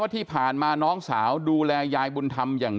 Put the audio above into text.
แข็งแข็งแข็งแข็งแข็งแข็งแข็ง